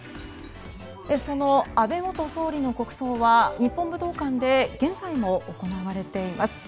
その安倍元総理の国葬は日本武道館で現在も行われています。